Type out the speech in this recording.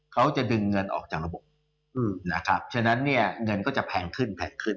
เขาจะดึงเงินออกจากระบบฉะนั้นเงินก็จะแพงขึ้น